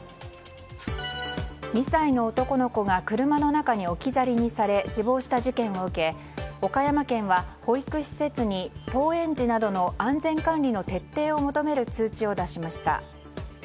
２歳の男の子が車の中に置き去りにされ死亡した事件を受け、岡山県は保育施設に登園時などの安全管理の徹底を求める通知を出しました。